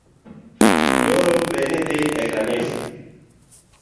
Nyoro be nidhii e kanisa?